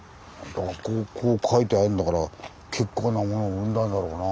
こう書いてあるんだから結構なものを生んだんだろうなあ。